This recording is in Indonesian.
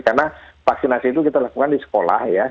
karena vaksinasi itu kita lakukan di sekolah ya